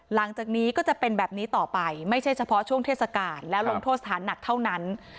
หลังจากนี้ก็จะเป็นแบบนี้ต่อไปไม่ใช่เฉพาะช่วงเทศกาลแล้วลงโทษสถานหนักเท่านั้น